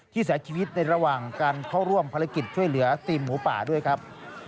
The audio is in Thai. เสียชีวิตในระหว่างการเข้าร่วมภารกิจช่วยเหลือทีมหมูป่าด้วยครับ